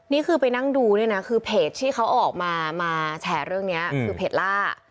นี่คือไปนั่งดูเนี่ยนะคือเพจที่เขาออกมามาแฉเรื่องนี้คือเพจล่า